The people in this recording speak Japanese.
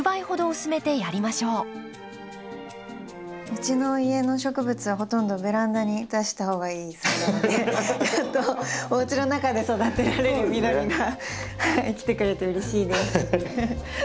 うちの家の植物はほとんどベランダに出した方がいいそうなのでおうちの中で育てられる緑が来てくれてうれしいです。